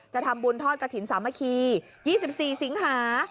จะทำบุญทอดกระถิ่นสามัคคี๒๔สิงหา